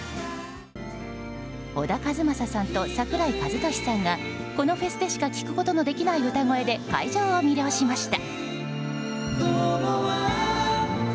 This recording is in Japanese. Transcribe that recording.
小田和正さんと櫻井和寿さんがこのフェスでしか聴くことのできない歌声で会場を魅了しました。